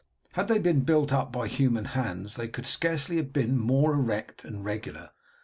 "Had they been built up by human hands they could scarcely have been more erect and regular.